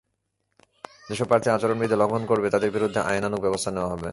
যেসব প্রার্থী আচরণবিধি লঙ্ঘন করবে, তাদের বিরুদ্ধে আইনানুগ ব্যবস্থা নেওয়া হবে।